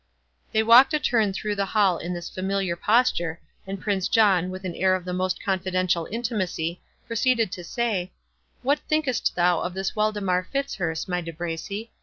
They walked a turn through the hall in this familiar posture, and Prince John, with an air of the most confidential intimacy, proceeded to say, "What thinkest thou of this Waldemar Fitzurse, my De Bracy?